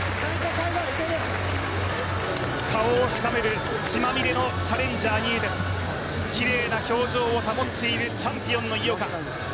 顔をしかめる、血まみれのチャレンジャー、ニエテスきれいな表情を保っているチャンピオンの井岡。